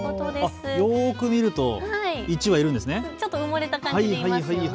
よく見ると１羽いるんですね。